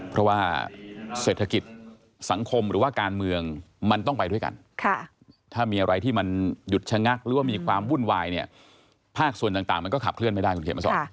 เพราะว่าเศรษฐกิจสังคมหรือว่าการเมืองมันต้องไปด้วยกันถ้ามีอะไรที่มันหยุดชะงักหรือว่ามีความวุ่นวายเนี่ยภาคส่วนต่างมันก็ขับเคลื่อนไม่ได้คุณเขียนมาสอน